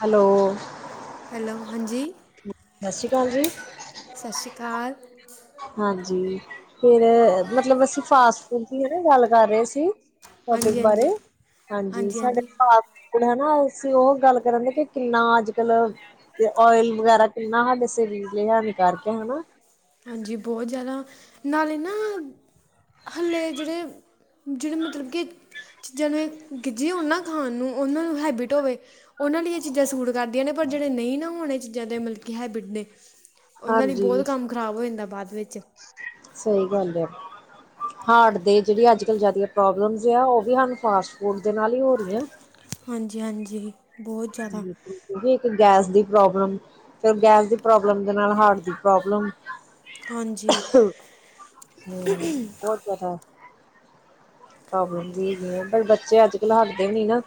Hello- hello ਹਾਂਜੀ- ਸਤਿ ਸ੍ਰੀ ਅਕਾਲ ਜੀ। ਸਤ ਸ਼੍ਰੀ ਅਕਾਲ। ਹਾਂਜੀ- ਫੇਰ ਮਤਲਬ ਅਸੀਂ ਫਾਸਟ ਫੂਡ ਵੀ ਕੀ ਗੱਲ ਕਰ ਰਹੇ ਸੀ। ਟੋਪਿਕ ਹਾਂਜੀ ਹਾਂਜੀ ਬਾਰੇ ਹਾਂਜੀ ਸਾਡੇ ਭ ਹਨਾ ਅਸੀਂ ਉਹ ਗੱਲ ਕਰਨ ਦੇ ਕਿ ਕਿੰਨਾ ਅੱਜ ਕਲ ਓਇਲ ਵਗੈਰਾ ਕਿੰਨਾ ਸਾਡੇ ਸਰੀਰ ਦੇ ਹਾਨੀ ਕਾਰਕ ਹੈ ਹਨਾ ਹਾਂਜੀ ਬਹੁਤ ਜ਼ਿਆਦਾ ਨਾਲੇ ਨਾ ਹੱਲੇ ਜਿਹੜੇ ਜਿਹੜੇ ਮਤਲਬ ਕਿ ਚੀਜ਼ਾਂ ਨੂੰ ਇਹ ਗੀਝੇ ਹੋਣ ਨਾ ਖਾਣ ਨੂੰ ਉਹਨਾਂ ਨੂੰ ਹੈਬਿਟ ਹੋਵੇ ਉਹਨਾਂ ਲਈ ਇਹ ਚੀਜ਼ਾਂ ਸੂਟ ਕਰਦੀਆਂ ਨੇ ਪਰ ਜਿਹੜੇ ਨਹੀ ਨਾ ਹੋਣ ਇਹ ਚੀਜ਼ਾਂ ਦੇ ਮਤਲਬ ਕਿ ਹੈਬਿਟ ਨੇ ਉਹਨਾਂ ਲਈ ਹਾਂਜੀ- ਬਹੁਤ ਕੰਮ ਖਰਾਬ ਹੋ ਜਾਂਦਾ ਬਾਅਦ ਵਿੱਚ ਸਹੀ ਗੱਲ ਹੈ। ਹਾਰਟ ਦੇ ਜਿਹੜੀ ਅੱਜ ਕਲ ਜ਼ਿਆ ਪ੍ਰੋਬਲਮ ਆ ਉਹ ਵੀ ਫਾਸਟ ਫੂਡ ਦੇ ਨਾਲ ਹੀ ਹੋ ਰਹੀ ਹੈ। ਹਾਂਜੀ -ਹਾਂਜੀ- ਬਹੁਤ ਜ਼ਿਆਦਾ ਇੱਕ ਗੈਸ ਦੀ- ਪ੍ਰੋਬਲਮ ਫਿਰ ਗੈਸ ਦੀ ਪ੍ਰੋਬਲਮ ਦੇ ਨਾਲ ਹਾਰਟ ਦੀ ਪ੍ਰੋਬਲਮ ਹਾਂਜੀ [inaudible] ਪ੍ਰੋਬਲਮ ਵੀ ਹੈਗੀ ਆ ਪਰ ਬੱਚੇ ਅੱਜ ਕੱਲ੍ਹ ਹਟਦੇ ਨਹੀ ਨਾ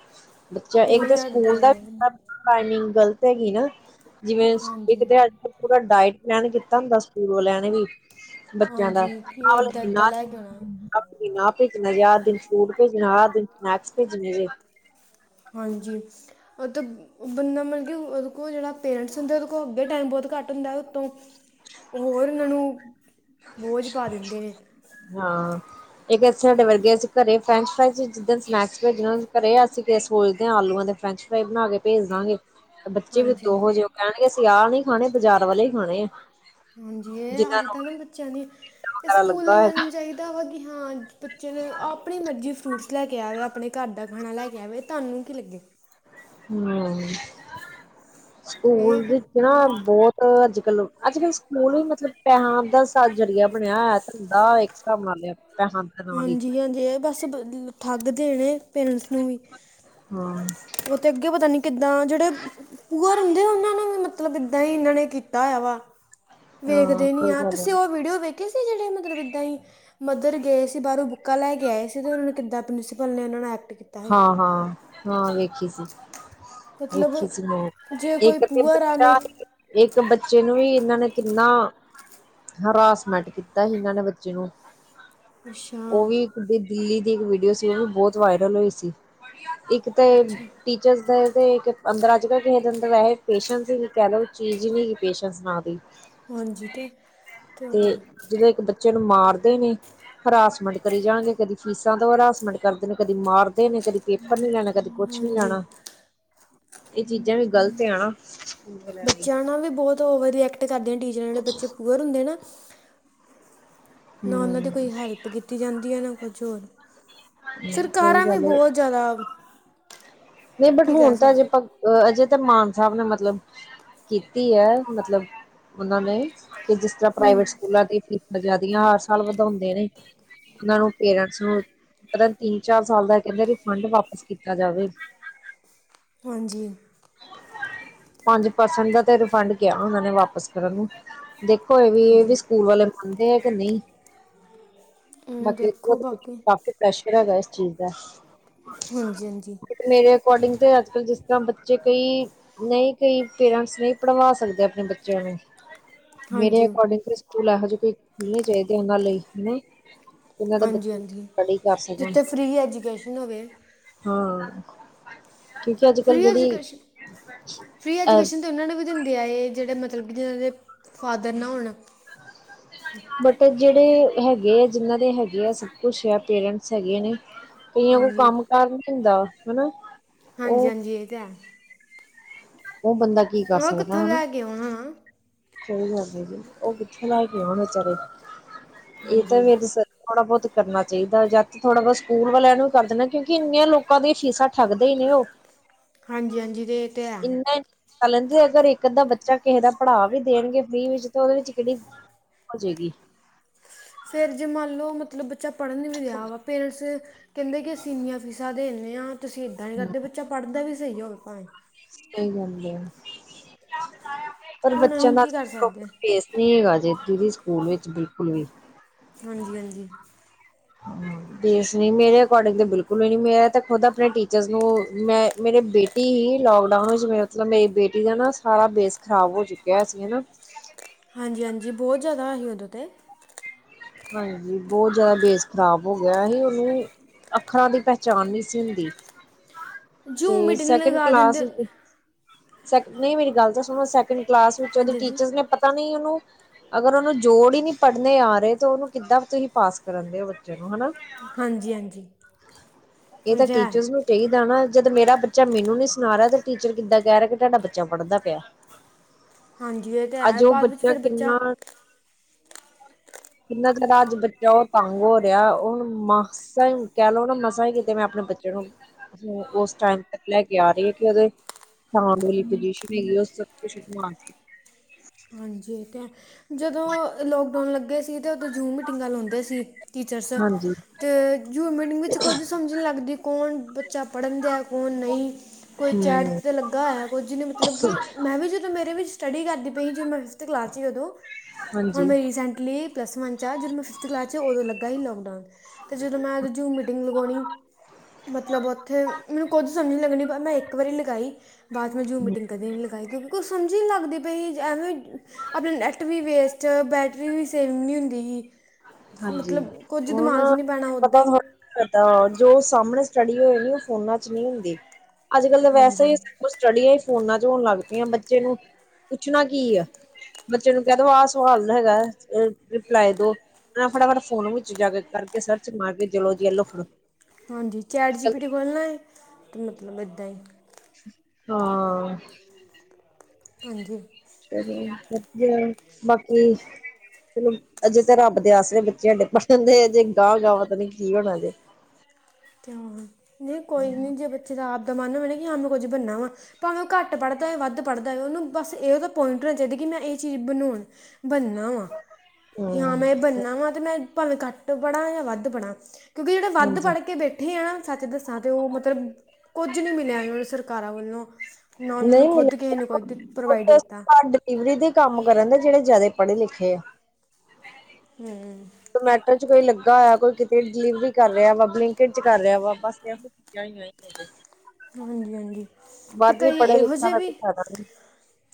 ਬੱਚਾ ਇੱਕ ਨਹੀਂ ਤਾਂ ਹਟਦੇ ਸਕੂਲ ਦਾ ਟਾਈਮਿੰਗ ਗ਼ਲਤ ਹੈਗੀ ਨਾ- ਜਿਵੇਂ ਇੱਕ ਹਾਂਜੀ ਤੇ ਅੱਜ ਕੱਲ ਪੂਰਾ ਡਾਇਟ। ਪੈਲਨ ਕੀਤਾ ਹੁੰਦਾ ਸਕੂਲੋਂ ਲੈਣਗੇ। ਬੱਚਿਆਂ ਦਾ ਹਾਂਜੀ ਕਿ ਆਹ ਇੱਦਾਂ ਵਾਲੇ ਇੱਦਾਂ ਨਾ। ਲੈ ਕੇ ਆਉਣਾ ਪੀਣਾ ਵੇ। ਨਜਾਦੀਪ ਸਕੂਲ ਭੇਜਣ ਵਾਲਾ ਤੇ ਸਨੈਕਸ ਭੇਜਣੇ ਜੇ। ਹਾਂਜੀ ਉਹ ਤਾਂ ਬੰਦਾ ਮਤਲਬ ਕਿ ਉਹਦੇ ਕੋਲ ਜਿਹੜਾ ਪੇਰੈਂਟਸ ਹੁੰਦਾ ਉਹਦੇ ਕੋਲ ਅੱਗੇ ਟਾਈਮ ਬਹੁਤ ਘੱਟ ਹੁੰਦਾ ਉੱਤੋਂ ਹੋਰ ਉਹਨਾਂ ਨੂੰ ਬੋਝ ਪਾ ਦਿੰਦੇ ਨੇ। ਇੱਕੇ ਸਾਡੇ ਵਰਗੇ ਅਸੀਂ ਘਰੇ ਫਰੈਂਚ ਫਰਾਈ ਜਿੱਦਣਨੈਕਸ ਭੇਜਣ ਹੋਣ ਘਰੇ ਅਸੀਂ ਸੋਚਦੇ ਹਾਂ ਆਲੂਆਂ ਤੇ ਫਰੈਂਚ ਫਰਾਈ ਬਣਾ ਕੇ ਭੇਜ ਦਾਂਗੇ। ਤੇ ਬੱਚੇ ਵੀ ਹਾਂਜੀ ਦੋ ਜੋ ਕਹਿਣਗੇ। ਤੇ ਆਹ ਨਹੀ ਖਾਣੇ ਬਾਜ਼ਾਰ ਵਾਲੇ ਹੀ ਖਾਣੇ ਆ ਹਾਂਜੀ ਇਹ ਜਿਨਾਂ ਆਦਤ ਨੂੰ ਨਾ ਫੇਰ। ਬੱਚਿਆਂ ਦੀ ਮੈਦਾ ਇਹ ਵਗੈਰਾ ਸਕੂਲ ਲੱਗਾ ਲੈਣ ਹੋਏਗਾ ਜਾਣ ਚਾਹੀਦਾ ਵਾ ਕਿ ਹਾਂ। ਬੱਚੇ ਨੂੰ ਆਪਣੀ ਮਰਜੀ ਫਰੂਟਸ ਲੈ ਕੇ ਆਵੇ ਆਪਣੇ ਘਰ ਦਾ ਖਾਣਾ ਲੈ ਕੇ ਆਵੇ ਤੁਹਾਨੂੰ ਕੀ ਲੱਗੇ ਹੂੰ। ਇਹ ਸਕੂਲ ਵਿੱਚ ਨਾ ਬੱਚੇ ਬਹੁਤ ਅੱਜ। ਚਲੋ ਅੱਜ ਕੱਲ੍ਹ ਸਕੂਲ ਵੀ ਮਤਲਬ ਪੈਸਾ ਦਾ ਸਾ ਜ਼ਰੀਆ ਬਣਿਆ ਹੋਇਆ ਧੰਦਾ ਇਸ ਤਰ੍ਹਾਂ ਮੰਨ ਲਿਆ। ਪੈਸਾ ਦੇ ਨਾਲ ਹੀ ਹਾਂਜੀ ਹਾਂਜੀ ਇਹ ਬਸ। ਦੀ ਠੱਗ ਦੇਣੇ ਨੇ। ਪੇਰੈਂਟਸ ਨੂੰ ਵੀ ਹਾਂ ਉਹ ਤੇ ਅੱਗੇ ਪਤਾ ਨੀ ਕਿਦਾਂ ਜਿਹੜੇ ਪੂਅਰ ਹੁੰਦੇ ਆ ਉਹਨਾਂ ਨੂੰ ਵੀ ਮਤਲਬ ਏਦਾਂ ਹੀ ਇਹਨਾਂ ਨੇ ਕੀਤਾ ਹੋਆ ਵਾ। ਹਾਂ ਵੇਖਦੇ ਨੀ ਕੋਈ ਆ ਗੱਲ ਤੁਸੀਂ ਉਹ ਵੀਡੀਓ ਵੇਖੇ ਸੀ ਜਿਹੜੇ ਮਤਲਬ ਏਦਾਂ ਹੀ ਮਦਰ ਗਏ ਸੀ। ਜਿਹੜੇ ਬਾਹਰੋਂ ਬੁੱਕਾਂ ਲੈ ਕੇ ਆਏ ਸੀ ਤੇ ਉਹਨਾਂ ਨੂੰ ਕਿੱਦਾਂ ਪ੍ਰਿੰਸੀਪਲ ਨੇ ਉਹ ਨੂੰ ਐ। ਹਾਂ ਹਾਂ ਹਾਂ ਵੇਖੀ ਸੀ ਮਤਲਬ ਵੇਖੀ ਸੀ ਮੈਂ ਜੇ ਕੋਈ ਇੱਕ ਤੇ ਪੂਅਰ ਆ ਬੱਚਾ ਨੇ ਇੱਕ ਬੱਚੇ ਨੂੰ ਵੀ। ਇਹਨਾਂ ਨੇ ਕਿੰਨਾ ਹਰਾਸਮੈਂਟ ਕੀਤਾ ਸੀ ਇਹਨਾਂ ਨੇ ਬੱਚੇ ਨੂੰ। ਅੱਛਾ। ਉਹ ਵੀ ਦਿੱਲੀ ਦੀ ਇੱਕ ਵੀਡੀਓ ਸੀ ਉਹ ਵੀ ਬਹੁਤ ਵਾਇਰਲ ਹੋਈ ਸੀ। ਜੀ। ਇੱਕ ਤੇ ਅੱਛਾ ਟੀਚਰਸ ਦੇ ਤੇ ਅੰਦਰ ਅੱਜ ਕੱਲ੍ਹ ਕਿਸੇ ਦੇ ਅੰਦਰ ਵੈਸੇ ਪੇਸ਼ੈਂਸ ਕਹਿਲੋ ਚੀਜ਼ ਨੀਂ ਹੈਗੀ ਪੇਸ਼ੈਂਸ ਨਾਂ ਦੀ। ਹਾਂਜੀ ਤੇ ਤੇ ਹੋਰ। ਜਦੋਂ ਇੱਕ ਬੱਚੇ ਨੂੰ ਮਾਰਦੇ ਨੇ ਹਰਾਸਮੈਂਟ ਕਰੀ ਜਾਣਗੇ ਕਦੀ ਫੀਸਾਂ ਦਿਉ ਹਰਾਸਮੈਂਟ ਕਰਦੇ ਨੇ ਕਦੀ ਮਾਰਦੇ। ਕਹਿੰਦੇ ਨੇ ਕਦੀ ਪੇਪਰ ਨੀ ਲੈਣਾ? ਕਦੇ ਕੁੱਛ ਨੀ ਹਾਂਜੀ ਜਾਣਾ ਇਹ ਚੀਜ਼ਾਂ ਵੀ ਗ਼ਲਤ ਆ ਨਾ। ਬੱਚਿਆਂ ਨਾਲ ਵੀ ਬੌਤ ਵਧੀਆ ਕੈ ਤੇ ਕਰਦੀਆਂ ਨ ਟੀਚਰਾਂ ਜੇੜੇ ਬੱਚੇ ਪੂਅਰ ਹੁੰਦੇ ਨਾ ਨਾ ਔਨਾਂ ਦੀ ਹਮ ਕੋਈ ਹੈਲਪ ਕੀਤੀ ਜਾਂਦੀ ਐ ਨਾ ਕੁ ਛੋਰ। ਹੂੰ, ਸਹੀ ਗੱਲ ਏ ਜ਼ਿਆਦਾ ਨਹੀਂ ਬਟ ਕੀ ਹੋਣ ਕਹਿ ਤਾਂ ਅਜੇ ਸਕਦੇ ਪ ਅਜੇ ਤੇ ਮਾਨ ਸਾਬ ਨੇ ਮਤਲਬ ਕੀਤੀ ਐ, ਮਤਲਬ ਉਨਾਂ ਨੇ। ਕਿ ਜਿਸ ਤਰ੍ਹਾਂ ਹੂੰ ਪ੍ਰਾਈਵੇਟ ਸਕੂਲਾਂ ਦੀ ਫੀਸ ਬਜਾ ਇਨਾ ਹਰ ਸਾਲ ਵਧੋਂਦੇ ਨੇ ਇਨ੍ਹਾਂ ਨੂੰ ਪੇਰੈਂਟਸ ਨੂੰ ਪਤਾ ਨੀ ਤਿੰਨ ਚਾਰ ਸਾਲ ਦਾ ਕੈੰਦੇ ਰਿਫੰਡ ਵਾਪਿਸ ਕੀਤਾ ਜਾਵੇ। ਹਾਂਜੀ ਪੰਜ ਪਰਸੈਂਟ ਦਾ ਤੇ ਰਿਫੰਡ ਕਿਆ ਓਨਾਂ ਨੇ ਵਾਪਿਸ ਕਰਨ ਨੂੰ। ਦੇਖੋ ਏ ਵੀ ਏ ਹਾਂਜੀ ਵੀ ਸਕੂਲ ਵਾਲੇ ਮੰਨਦੇ ਹੈ ਕਿ ਨਹੀਂ। ਹੂੰ, ਮਤਲਬ ਦੇਖੋ ਬੋਤ ਕੁਛ ਬਾਕੀ ਪਾ ਪ੍ਰੈਸ਼ਰ ਹੈਗਾ ਏਸ ਚੀਜ਼ ਦਾ। ਹਾਂਜੀ ਹਾਂਜੀ ਤੇ ਮੇਰੇ ਅਕੋਰਡਿੰਗ ਤੇ ਅੱਜ-ਕੱਲ ਜਿਸ ਤਾਂ ਬੱਚੇ ਕਈ ਨਹੀਂ ਕਈ ਪੇਰੈਂਟਸ ਨਹੀਂ ਪੜ੍ਹਵਾ ਸਕਦੇ ਅਪਣੇ ਬੱਚਿਆਂ ਨੂੰ। ਮੇਰੇ ਹਾਂਜੀ ਅਕੋਰਡਿੰਗ ਤੇ ਸਕੂਲ ਐਹੋ ਜੇ ਕੋਈ ਖੁੱਲਣੇ ਚਾਈਦੇ ਇਨ੍ਹਾਂ ਲਈ, ਨਈਂ। ਉਨਾਂ ਦਾ ਬੱਚ ਹਾਂਜੀ ਹਾਂਜੀ ਜਿੱਥੇ ਫਰੀ ਐਜੂਕੇਸ਼ਨ ਹੋਵੇ [unintelligible] ਕਿਊਂਕਿ ਅੱਜ-ਕੱਲ ਫ੍ਰੀ ਜੇੜੀ ਐਜੂਕੇਸ਼ਨ ਫ੍ਰੀ ਅਹ ਐਜੂਕੇਸ਼ਨ ਤਾਂ ਉਹਨਾਂ ਨੂੰ ਵੀ ਦਿੰਦੇ ਆਏ ਜੇੜੇ ਮਤਲਬ ਕਿ ਜਿਨਾਂ ਦੇ ਫਾਦਰ ਨਾ ਹੋਣਾ। ਬੱਟੇ ਜੇੜੇ ਹੈਗੇ ਐ, ਜਿਨਾਂ ਦੇ ਹੈਗੇ ਆ ਸਭ ਕੁਛ ਆ ਪੇਰੈਂਟਸ ਹੈਗੇ ਨੇ ਕਈਆਂ ਕੋ ਹਾਂਜੀ ਕੰਮ ਕਾਰ ਨੀ ਹੁੰਦਾ। ਹਨਾ। ਹਾਂਜੀ ਉਹ ਹਾਂਜੀ, ਏਤੇ ਹੈ। ਔ ਬੰਦਾ ਕੀ ਕਰ ਉਹ ਕਿੱਥੋਂ ਸਕਦਾ, ਹਨਾ। ਲੈ ਕੇ ਆਉਣਾ ਨਾ। ਸਹੀ ਗੱਲ ਏ ਜੀ, ਔਹ ਕਿੱਥੇ ਲੈ ਕੇ ਔਣ ਵਿਚਾਰੇ ਏ ਹਾਂਜੀ ਤਾਂ ਫੇਰ ਸ ਥੋੜਾ ਬੌਤ ਕਰਨਾ ਚਾਹੀਦਾ ਜਾਂ ਤੇ ਥੋੜ੍ਹਾ ਬੌਤ ਸਕੂਲ ਵਾਲਿਆਂ ਨੂੰ ਵੀ ਕਰ ਦੇਣਾ ਕਿਉਂਕਿ ਇੰਨੀਆਂ ਲੋਕਾਂ ਦੀਆਂ ਫੀਸਾਂ ਠੱਗਦੇ ਈ ਨੇ ਓਹ। ਹਾਂਜੀ ਹਾਂਜੀ, ਤੇ ਤਾਂ ਹੈ ਇਨ। ਕ ਲੈਂਦੇ ਅਗਰ ਇੱਕ ਅੱਧਾ ਬੱਚਾ ਕਿਸੇ ਦਾ ਪੜ੍ਹਾ ਵੀ ਦੇਣਗੇ ਫ੍ਰਰੀ ਵਿੱਚ ਤਾਂ ਉਹਦੇ ਵਿੱਚ ਕਿਹੜੀ ਹੋ ਜਾਏਗੀ। ਫੇਰ ਜੇ ਮੰਨ ਲਓ ਮਤਲਬ ਬੱਚਾ ਪੜ੍ਹਨ ਨਹੀਂ ਵੀ ਰਿਹਾ ਵਾ ਪੇਰੈਂਟਸ ਕਹਿੰਦੇ ਕਿ ਸੀਨੀਰ ਫੀਸਾਂ ਦਿੰਦੇ ਹਾਂ। ਤੁਸੀਂ ਏਦਾਂ ਨ ਕਰਦੇ ਬੱਚਾ ਪੜ੍ਹਦਾ ਵੀ ਸਹੀ ਹੋਵੇ ਪਾਵੇਂ ਸਹੀ ਗੱਲ ਐ। ਪਰ ਹੁਣ ਬੱਚਿਆਂ ਅਸੀਂ ਦਾ ਕੀ ਕਰ ਸਕਦੇ ਹਾਂ ਪ੍ਰੋਪਰ ਫੇਸ ਨੀ ਹੈਗਾ। ਦੇ ਤੀ ਦੀ ਸਕੂਲ ਵਿੱਚ ਬਿਲਕੁਲ ਵੀ ਹਾਂਜੀ ਹਾਂਜੀ। ਹ ਬੇਸ ਨ ਮੇਰੇ ਅਕੋਰਡਿੰਗ ਤੇ ਬਿਲਕੁਲ ਹੀ ਨ ਮੇਰਾ ਤੇ ਖੁਦ ਆਪਣੇ ਟੀਚਰ ਨੂੰ ਮੈਂ ਮੇਰੀ ਬੇਟੀ ਹੀ ਲੋਕਡਾਊਨ ਵਿੱਚ ਮਤਲਬ ਮੇਰੀ ਬੇਟੀ ਦਾ ਨਾ ਸਾਰਾ ਬੇਸ ਖ਼ਰਾਬ ਹੋ ਚੁੱਕਿਆ ਸੀ। ਬੋਝ ਜ਼ਯਾਦਾ ਸੀ ਔਦੇ ਤੇ ਹਾਂਜੀ ਬਹੁਤ ਜ਼ਿਆਦਾ ਬੇਸ ਖ਼ਰਾਬ ਹੋ ਗਿਆ ਸੀ, ਉਹਨੂੰ ਅੱਖਰਾਂ ਦੀ ਪਹਿਚਾਣ ਨਹੀਂ ਸੀ ਹੁੰਦੀ। ਜੂਮ ਤੇ ਮੀਟਿੰਗ ਸੈਕਿੰਡ ਲਗਾ ਦਿੰਦੇ ਕਲਾਸ ਵਿੱਚ ਨਹੀਂ ਮੇਰੀ ਗੱਲ ਤਾਂ ਸੁਣੋ ਕਲਾਸ ਵਿੱਚ ਉਹਦੇ ਹਾਂਜੀ ਟੀਚਰਸ ਨੇ ਪਤਾ ਨਹੀਂ ਉਹਨੂੰ ਅਗਰ ਉਹਨੂੰ ਜੋੜ ਹੀ ਨਹੀਂ ਪੜ੍ਹਨੇ ਆ ਰਹੇ ਤੇ ਉਹਨੂੰ ਕਿੱਦਾਂ ਵੀ ਤੁਸੀਂ ਪਾਸ ਕਰਾਦੇ ਹੋ ਬੱਚੇ। ਨੂੰ ਹਨਾ ਹਾਂਜੀ ਹਾਂਜੀ। ਇਹ ਤਾਂ ਟੀਚਰਸ ਨੂੰ ਚਾਹੀਦਾ ਨਾ ਜਦ ਮੇਰਾ ਬੱਚਾ ਮੈਨੂੰ ਨੀ ਸੁਣਾ ਰਿਹਾ ਤੇ ਟੀਚਰ ਕਿੱਦਾਂ ਕਹਿ ਰਿਹਾ ਕਿ ਤੁਹਾਡਾ ਬੱਚਾ ਪੜ੍ਹਦਾ ਪਿਆ। ਹਾਂਜੀ ਇਹ ਤੇ ਹੈ ਅੱਜ ਉਹ ਬਾਅਦ ਵਿੱਚ ਫੇਰ ਬੱਚਾ ਕਿੰਨਾ ਕਿੰਨਾ ਜ਼ੇਦਾ ਅੱਜ ਬੱਚਾ ਉਹ ਤੰਗ ਹੋ ਰਿਹਾ, ਔਨੂ ਮਾਰਕਸ ਟਾਈਮ ਕਹਿ ਲਓ ਨਾ ਮਸਾਂ ਹੀ ਤੇ ਮੈਂ ਆਪਣੇ ਬੱਚੇ ਨੂੰ ਉਸ ਟਾਈਮ ਤਕ ਲੈ ਕੇ ਆ ਰਹੀ ਆ, ਕਿ ਉਹਦੇ ਫੋਰਮ ਦੀ ਰਸ਼ੀਦ ਨਹੀ ਹੈਗੀ, ਉਹ ਸਭ ਕੁਛਮ ਹਾਂਜੀ ਅਤੇ ਜਦੋਂ ਲੋਕਡਾਊਨ ਲੱਗੇ ਸੀ ਤੇ ਉਥੇ ਜ਼ੁਮ ਮੀਟਿੰਗ ਵ ਲਾਉਂਦੇ ਸੀ ਟੀਚਰਸ, ਹਾਂਜੀ ਤੇ ਜ਼ੁਮ ਮੀਟਿੰਗ ਵਿੱਚ ਕੁੱਝ ਸਮਝ ਨੀ ਲੱਗਦੀ ਕੌਣ ਬੱਚਾ ਪੜ੍ਹਨ ਦੇ ਕੌਣ ਨਹੀਂ, ਕੋਈ ਚੈਟ ਹਮ ਤੇ ਲੱਗਾ ਹੋਯਾ, ਕੁਝ ਜਿਹਨੇ ਮਤਲਬ ਕਿ ਮੈਂ ਵੀ ਜਦੋਂ ਮੇਰੇ ਵੀ ਸਟੱਡੀ ਕਰਦੀ ਪਈ ਜੀ, ਉਹਨੂੰ ਫਿਫਥ ਕਲਾਸ 'ਚਦੋਂ ਹੁਣ ਹਾਂਜੀ ਮੈਂ ਹਮ ਰੀਸੈਂਟਲੀ ਪਲੱਸ ਵਨ 'ਚ ਜਦੋਂ ਮੈਂ ਫਿਫਥ ਕਲਾਸ 'ਚ ਉਦੋਂ ਲੱਗਾ ਸੀ ਲੋਕਡਾਊਨ, ਤੇ ਜਦੋਂ ਮੈਂ ਜ਼ੁਮ ਮੀਟਿੰਗ ਲਗਾਉਣੀ ਮਤਲਬ ਉੱਥੇ ਮੈਨੂੰ ਕੁੱਦ ਸਮਝ ਨਹੀਂ ਲੱਗਣੀ ਮੈਂ ਇੱਕ ਵਾਰੀ ਲਗਾਈ ਬਾਅਦ ਮੈਂ ਜ਼ੁਮ ਮੀਟਿੰਗ ਕਦੇ ਨਹੀਂ ਲਗਾਈ, ਕਿਉਂਕੇ ਕੁਛ ਸਮਝ ਜੀ ਲੱਗਦੀ ਪਈ ਸੀ ਐਵੇਂ ਆਪਣਾ ਨੈੱਟ ਵੀ ਵੇਸਟ ਬੈਟਰੀ ਵੀ ਸੇਵ ਨਹੀਂ ਹੁੰਦੀ ਸੀ। ਹਾਂਜੀ ਮਤਲਬ ਕੁਝ ਹੁਣ ਦਿਮਾਗ 'ਚ ਨਹੀਂ ਪੈਣਾ ਉੱਦਾਂ ਪਤਾ, ਹੀ ਪਤਾ ਜੋ ਸਾਹਮਣੇ ਸਟਡੀ ਹੋਏ, ਔ ਫੋਨਾਂ ਚ ਨਹੀਂ ਹੁੰਦੀ। ਅੱਜ ਕੱਲ ਤਾਂ ਵੈਸੇ ਹੀ ਹਾਂਜੀ ਕੁਛ ਸਟੱਡੀ ਹੈ। ਫੋਨਾਂ ਚ ਹੋਣ ਲੱਗ ਪਆਂ ਬੱਚੇ ਨੂੰ ਪੁੱਛਣਾ ਕੀ ਆ ਬੱਚੇ ਨੂੰ ਕਹਿ ਦ ਆਹ ਸਵਾਲ ਹੈਗਾ ਰਿਪਲਾਈ ਦੋ ਫਟਾਫਟ ਫੋਨ ਵਿੱਚ ਜਾ ਕੇ ਕਰਕੇ ਸਿਰ ਚ ਮਾਰਦੇ, ਚਲੋ ਜੀ ਐਲੋ ਫੜੋ ਹਾਂਜੀ ਚੈਟ ਜੀ ਪੀ ਟੀ ਖੋਲਣਾ ਏ, ਅਤੇ ਮਤਲਬ ਇੱਦਾਂ ਹੀ। ਹਾਂ, ਹਾਂਜੀ, ਬਾਕੀ ਚਲੋ ਅਜੇ ਤਾਂ ਰੱਬ ਦੇ ਆਸ ਰਹੇ ਬੱਚੇ ਸਾਡੇ ਪੜ੍ਹਨ ਦੇ ਅਜੇ ਗਾਹ ਗਾਤਾ ਨੀ ਕੀ ਹੋਣਾ ਜੇ, ਤੇ ਨਹੀਂ ਕੋਈ ਨੀ ਜੇ ਬੱਚੇ ਰ ਮਨ ਹੋ ਕਿ ਹਾਂ ਮੈਂ ਕੁੱਝ ਬਣਨਾ ਵਾ ਭਾਵੇਂ ਉਹ ਘੱਟ ਪੜ੍ਹਦਾ ਹੈਏ ਵੱਧ ਪੜ੍ਹਦਾ ਹੈਏ ਉਹਨੂੰ ਬੱਸ ਉਹ ਤਾਂ ਪੁਆਇੰਟ ਹੋਣਾ ਚਾਹੀਦਾ ਕਿ ਮੈਂ ਇਹ ਚੀਜ਼ ਬਣਾਣ, ਬਣਨਾ ਵਾਂ ਕਿ ਹਾਂ ਹਮ ਮੈਂ ਬਣਨਾ ਵਾ ਅਤੇ ਮੈਂ ਭ ਘੱਟ ਬੜਾ ਜਾਂ ਵੱਧ ਬੜਾ ਕਿਉਕਿ ਜਿਹੜੇ ਵੱਧ ਹਾਂਜੀ ਬਣੇ, ਬੈਠੇ ਆ ਨਾ ਸੱਚ ਦੱਸਾਂ ਤੇ ਉਹ ਮਤਲਬ ਕੁੱਝ ਨੀ ਮਿਲਿਆ ਨੂੰ ਸਰਕਾਰ ਸਰਕਾਰਾਂ ਵੱਲੋਂ ਨਾ ਉਹਨੂੰ ਨਹੀਂ ਖੁਦ ਕਿਸੇ ਮਿਲਿਆ ਨੇ ਕੋਈ ਪ੍ਰੋਵਾਈਡ ਕੀਤਾ। ਘਰ ਡਿਲੀਵਰੀ ਦੇ ਕੰਮ ਕਰਨ ਦੇ ਜਿਹੜੇ ਜ਼ਿਆਦਾ ਪੜ੍ਹੇ ਲਿਖੇ ਆ। ਹੂੰ, ਜਮੈਟੋ ਕੋਈ ਲੱਗਾ ਹੋਇਆ ਕੋਈ ਕਿਤੇ ਡਿਲੀਵਰੀ ਕਰ ਰਿਹਾ ਵ ਬ ਕਰ ਰਿਹਾ ਵਾ ਬ ਹਾਂਜੀ ਹਾਂਜੀ, ਤੇ ਕਈ ਪੜ੍ਹੇ ਇਹੋ ਲਿਖਿਆ ਜਿਹੇ ਦਾ ਕੋਈ ਵੀ ਫਾਇਦਾ ਨਹੀਂ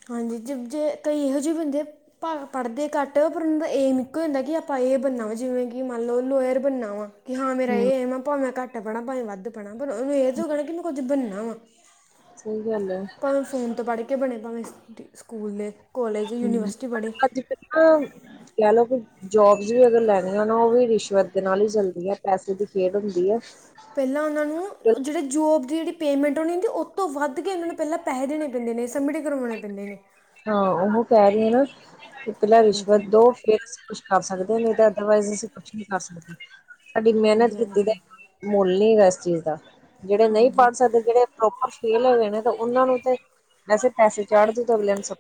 ਹਾਂਜੀ ਜੇ ਕਈ ਇਹੋ ਜਿ ਜੇ ਬੰਦੇ, ਪ ਪੜ੍ਹਦੇ ਘੱਟ ਪਰ ਉਹਨਾ ਦੇ, ਏਮ ਇੱਕੋ ਹੋ ਹੁੰਦਾ ਕਿ ਆਪਾਂ ਇਹ ਬਣਨਾ ਵਾ ਜਿਵੇਂ ਕਿ ਮੰਨ ਲਓ ਲੋਅਰ ਬਣਨਾ ਵਾ ਕਿ ਹਾਂ ਮੇਰਾ ਹਮ ਇਹਏ ਆ ਭਾਵੇੈਂ ਘੱਟ ਪੜ੍ਹ ਭਾਵੇ ਵੱਧ ਪੜ੍ਹਾ ਪਰ ਉਹਨੂੰ ਇਹ ਚ ਹੋਣਾ ਕਿ ਕੁਝ ਬਣਨਾ, ਸਹੀ ਗੱਲ ਹੈ ਭਾਵੇਂ ਫੋਨ ਤੋਂ ਪੜ੍ਹ ਕੇ ਬਣੇ ਭਾਵੇਂ ਸਕੂਲ ਦੇ, ਕਾਲਜ [unintelligible] ਯੂਨੀਵਰਸਿਟੀ ਪੜ੍ਹੇ ਜੋਬਸ ਵੀ ਅਗਰ ਲੈਣੀਆਂ ਨਾ ਉਹ ਵੀ ਰਿਸ਼ਵਤ ਦੇ ਨਾਲ ਹੀ ਚੱਲਦੀ ਹੈ ਪੈਸੇ ਦੀ ਖੇਡ ਹੁੰਦੀ ਹੈ। ਪਹਿਲਾਂ ਉਹਨਾਂ ਨੂੰ ਜਿਹੜੇ ਜੋਬ ਦੀ ਜਿਹੜੀ ਪੇਮੈਂਟ ਹੋਣੀ ਹੁੰਦੀ ਉਹ ਤੋਂ ਵੱਧ ਕੇ ਉਹਨਾਂ ਨੂੰ ਪਹਿਲਾਂ ਪੈਸੇ ਦੇਣੇ ਪੈਂਦੇ ਨੇ ਸਬਮਿਟ ਕਰਵਾਣੇ ਪੈਂਦੇ ਨੇ ਹਾਂ ਉਹ ਕਹਿ ਰਹੀ ਆ ਨਾ। ਪਹਿਲਾ ਹਾਂਜੀ ਰਿਸ਼ਵਤ ਦੋ ਫੇ ਕਰ ਸਕਦੇ ਨੇ ਤੇ ਅਦਰਵਾਈਜ਼ ਅਸੀਂ ਕੁਛ ਨੀ ਕਰ ਸਕਦੇ। ਸਾਡੀ ਮਿਹਨਤ ਹਾਂਜੀ ਕੀਤੀ ਹਾਂਜੀ ਤੇ, ਮੁੱਲ ਨਹੀਂ ਹੈਗਾ ਇਸ ਚੀਜ਼ ਦਾ ਜਿਹੜੇ ਨਹੀਂ ਹਾਂਜੀ ਪੜ੍ਹ ਸਕਦੇ, ਜਿਹੜੇ ਪ੍ਰੋਪਰ ਫੇਲ ਹੋ ਗਏ ਨੇ, ਤਾਂ ਉਹਨਾਂ ਨੂੰ ਤੇ ਵੈਸੇ ਪੈਸੇ ਚਾੜ ਦੇ ਸਭ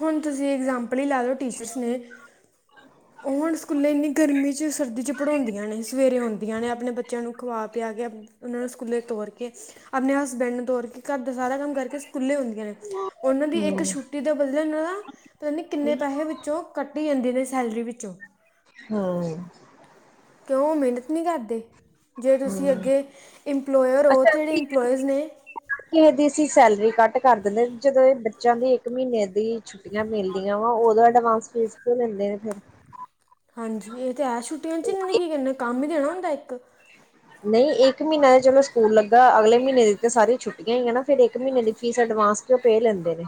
ਹੁਣ ਤੁਸੀਂ ਇਗਜ਼ਾਮ ੳਯ ਤੇ ਯਛ ਲਾ ਲਓ ਟੀਚਰਸ ਨੇ ਉਹ ਹੁਣ ਸਕੂਲੇ ਇੰਨੀ ਗਰਮੀ 'ਚ ਸਰਦੀ ' ਪੜ੍ਹਾਉਂਦੀਆਂ ਨੇ ਸਵੇਰੇ ਆਉਂਦੀਆਂ ਨੇ ਆਪਣੇ ਬੱਚਿਆਂ ਨੂੰ ਖਵਾ ਪਿਆ ਕੇ ਉਹਨਾਂ ਨੂੰ ਸਕੂਲੇ ਤੋਰ ਕੇ ਆਪਣੇ ਹਸਬੈਂਡ ਨੂੰ ਤੋਰ ਕੇ ਘਰ ਦਾ ਸਾਰਾ ਕੰਮ ਕਰਕੇ ਸਕੂਲਾਂ ਆਂਦੀਆਂ ਨੇ, ਉਹਨਾਂ ਦੀ ਇੱਕ ਹਮ ਛੁੱਟੀ ਦੇ ਬਦਲੇ, ਉਹਨਾਂ ਦਾ ਪਤਾ ਨਹੀਂ ਕਿੰਨੇਂ ਸਹੀ ਪੈਸੇ ਵਿੱਚੋਂ ਕੱਟ [inaudible] ਸੇਲਰੀ ਵਿੱਚੋਂ। ਹੂੰ ਕਿਉਂ ਉਹ ਮਿਹਨਤ ਨਹੀਂ ਕਰਦੇ? ਜੇ ਤੁਸੀਂ ਹਮ ਅੱਗੇ ਇੰਪਲੋਇਅਰ ਹੋ, ਅੱਛਾ ਜਿਹੜੇ ਇੰਪਲੋਏਜ਼ ਨੇ ਘੱਟ ਕਰ ਦਿੰਦੇ, ਜਦੋਂ ਇਹ ਬੱਚਿਆਂ ਦੀ ਇੱਕ ਮਹੀਨੇ ਦੀ ਛੁੱਟੀਆਂ ਮਿਲਦੀਆਂ ਵਾ, ਉਦੋਂ ਅਡਵਾਂਸ ਫੀਸ ਕਿਉ ਲੈਂਦੇ ਨੇ ਫਿਰ? ਹਾਂਜੀ, ਇਹ ਤੇ ਹੈ ਛੁੱਟੀਆਂ 'ਚ ਇਹਨੇ ਕੀ ਕਰਨਾ ਕੰਮ ਹੀ ਦੇਣਾ। ਦਾ ਇੱਕ ਨਹੀਂ ਇੱਕ ਮਹੀਨਾ ਦੇ ਚਲੋ ਸਕੂਲ ਲੱਗਾ, ਅਗਲੇ ਮਹੀਨੇ ਦੀ ਤੇ ਸਾਰੀਆਂ ਛੁੱਟੀਆਂ ਹੀ ਨਾ, ਫਿਰ ਇੱਕ ਮਹੀਨੇ ਦੀ ਫੀਸ ਅਡਵਾਂਸ ਕਿਉ ਪੇ ਲੈਂਦੇ ਨੇ?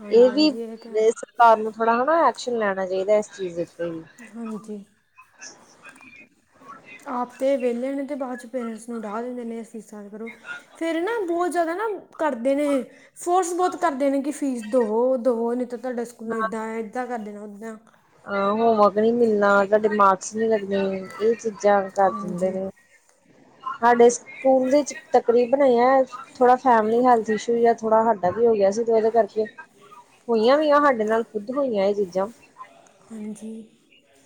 ਹਾਂਜੀ ਇਹ ਵੀ ਹਾਂਜੀ ਤਾਂ ਹੈ ਸਰਕਾਰ ਨੂੰ ਥੋੜਾ ਹੈਨਾ, ਐਕਸ਼ਨ ਲੈਣਾ ਚਾਹੀਦਾ ਇਸ ਚੀਜ਼ ਦੇ ਵੀ ਹਾਂਜੀ ਆਪ ਤਾਂ ਵਿਹਲੇ ਨੇ ਤੇ ਬਾਅਦ ਚ ਪੇਰੈਂਟਸ ਨੂੰ ਡਾ ਦਿੰਦੇ ਨੇ ਫੀਸਾਂ ਕਰੋ, ਫੇਰ ਨਾ ਬਹੁਤ ਜ਼ਿਆਦਾ ਨਾ ਕਰਦੇ ਨੇ ਫੋਰਸ ਬਹੁਤ ਕਰਦੇ ਨੇ, ਕਿ ਫੀਸ ਦਵੋ ਦਵੋ ਨਹੀਂ ਤਾਂ ਤੁਹਾਡੇ ਸਕੂਲ ਏਦਾਂ ਹੈ ਏਦਾਂ ਕਰ ਦੇਣਾ ਓਦਾਂ ਹਾਂ, ਹੋਮਵਰਕ ਨਹੀਂ ਮਿਲਣਾ ਤੁਹਾਡੇ ਮਾਰਕਸ ਨੀ ਲੱਗਣੇ, ਇਹ ਚੀ ਜਾਨ ਕਰ ਦਿੰਦੇ ਹਾਂਜੀ ਨੇ। ਸਾਡੇ ਸਕੂਲ ਵਿੱਚ ਤਕਰੀਬਨ ਇ ਆ, ਥੋੜਾ ਫੈਮਲੀ ਹੈਲਥ ਇਸ਼ੂ ਜਾਂ ਥੋੜਾ ਸਾਡਾ ਵੀ ਹੋ ਗਿਆ ਸੀ, ਤੇ ਇਹਦੇ ਕਰਕੇ ਹੋਈਆਂ ਵੀ ਆ ਸਾਡੇ ਨਾਲ ਖ਼ੁਦ ਹੋਈਆਂ ਇਹ ਚੀਜ਼ਾਂ। ਹਾਂਜੀ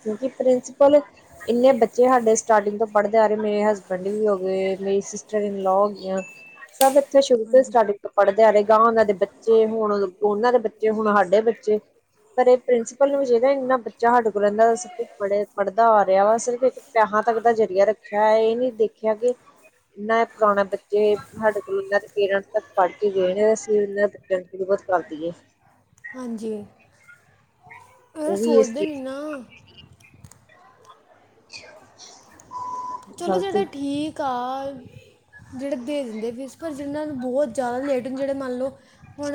ਕਿਉਂਕਿ ਪ੍ਰਿੰਸੀਪਲ ਇੰਨੇ ਬੱਚੇ ਸਾਡੇ ਸਟਾਰਟਿੰਗ ਤੋਂ ਪੜ੍ਹਦੇ ਆ ਰਹੇ, ਮੇਰੇ ਹਸਬੈਂਡ ਵੀ ਹੋ ਗਏ ਮੇਰੀ ਸਿਸਟਰ ਇਨਲੋ ਹੋ ਗਈਆਂ ਸਭ ਇੱਥੇ ਸ਼ੁਰੂ ਤੋਂ ਹੀ ਹਾਂਜੀ ਸਟਾਰਟਿੰਗ ਤੋਂ ਪੜ ਗਾ ਉਹਨਾਂ ਦੇ ਬੱਚੇ, ਹੁਣ ਉਹਨਾਂ ਦੇ ਬੱਚੇ ਹੁਣ ਹਡੇ ਬੱਚੇ ਪਰ, ਇਹ ਪ੍ਰਿੰਸੀਪਲ ਨੂੰ ਵੀ ਚਾਹੀਦਾਂ, ਇੰਨਾ ਬੱਚਾ ਹਾਡੇ ਕੋ ਦਾ ਸ ਕੁਛ ਪੜ ਪੜ੍ਹਦਾ ਆ ਰਿਹਾ ਵਾ, ਸਿਰਫ ਇੱਕ ਪਿਆਹਾ ਤੱਕ ਦਾ ਜ਼ਰੀਆ ਰੱਖਿਆ ਹੋਇਆ, ਇਹ ਨੀ ਦੇਖਿਆਂ ਕਿ ਇਨਾ ਪੁਰਾਣੇ ਬੱਚੇ ਹਾਡੇ ਕੋਲ ਇਹਨਾਂ ਦੇ ਪੇਰੈਂਟ ਤੱਕ ਪੜ੍ਹ ਕੇ ਗਏ ਨੇ, ਤੇ ਅਸੀਂ ਇਹਨਾਂ ਦੇ ਪਟ ਬਹੁਤ ਕਰਦੀਏ ਹਾਂਜੀ ਇਹ ਉਹ ਵੀ ਇਸ ਸੋਚਦੇ ਨੀ ਨਾ। ਚੀਜ਼ ਅੱਛਾ ਚਲੋਂ, ਜਿਹੜਾ ਠੀਕ ਆ ਜਿਹੜੇ ਦੇ ਦਿੰਦੇ ਫੀਸ, ਪਰ ਜਿਹਨ੍ਹਾਂ ਬਹੁਤ ਜ਼ਿਆਦਾ ਲੇਟ, ਜਿਹੜੇ ਮੰਨ ਲਓ ਹੁਣ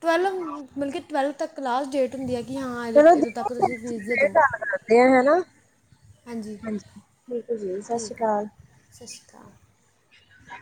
ਟਵੈਲਵ, ਮਤਲਬ ਕਿ ਟਵੈਲਵ ਤੱਕ ਲਾਸਟ ਡੇਟ ਹੁੰਦੀ ਆ, ਕਿ ਹਾਂ ਇਹ ਚਲੋ ਇਦੋਂ ਤੱਕ ਦੀਦੀ ਤੁਸੀਂ ਫੀਸ ਦੇ ਫਿਰ ਦਿਉ। ਗੱਲ ਕਰਦੇ ਆ ਹਨਾ ਹਾਂਜੀ, ਬਿਲਕੁਲ ਜੀ, ਸਤਿ ਸ਼੍ਰੀ ਆ ਅਕਾਲ। ਸਤਿ ਸ਼੍ਰੀ ਅਕਾਲ ਅ